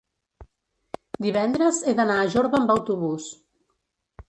divendres he d'anar a Jorba amb autobús.